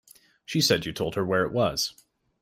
She said you told her where it was.